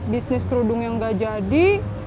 bisnis kerudung yang gak jadi